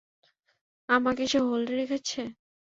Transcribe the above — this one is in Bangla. আমাকে সে হোল্ডে রেখেছে!